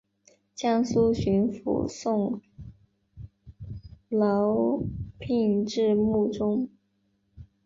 江苏巡抚宋荦聘致幕中。